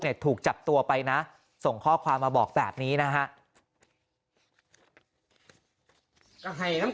ถูกจับตัวไปนะส่งข้อความมาบอกแบบนี้นะฮะ